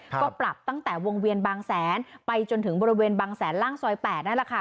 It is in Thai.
ก็ปรับตั้งแต่วงเวียนบางแสนไปจนถึงบริเวณบางแสนล่างซอย๘นั่นแหละค่ะ